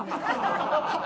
ハハハハ！